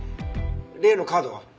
例のカードは？